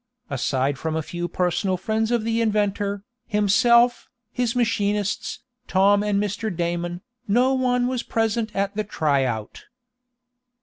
Aside from a few personal friends of the inventor, himself, his machinists, Tom and Mr. Damon, no one was present at the try out.